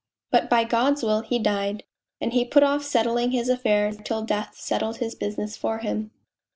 But by God's will he died, and he put off settling his affairs till death settled his business for him."